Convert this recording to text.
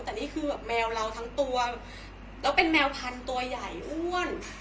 แต่นี่คือแบบแมวเราทั้งตัวแล้วเป็นแมวพันตัวใหญ่อ้วน